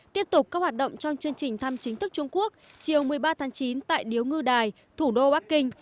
tiếp tục các hoạt động trong chương trình thăm chính thức trung quốc chiều một mươi ba tháng chín tại điếu ngư đài thủ đô bắc kinh